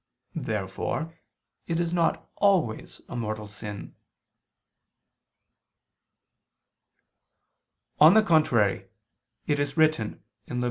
Therefore it is not always a mortal sin. On the contrary, It is written (Lev.